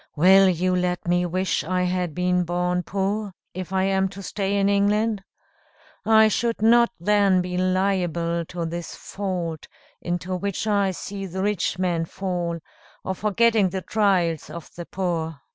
Will you let me wish I had been born poor, if I am to stay in England? I should not then be liable to this fault into which I see the rich men fall, of forgetting the trials of the poor."